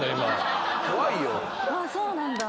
ああそうなんだ。